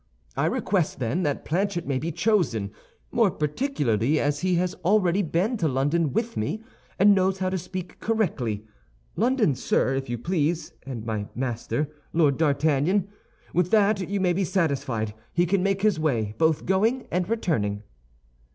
I request, then, that Planchet may be chosen, more particularly as he has already been to London with me, and knows how to speak correctly: London, sir, if you please, and my master, Lord D'Artagnan. With that you may be satisfied he can make his way, both going and returning."